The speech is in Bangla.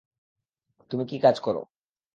তুমি কী কাজ করো?